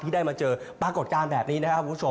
ได้มาเจอปรากฏการณ์แบบนี้นะครับคุณผู้ชม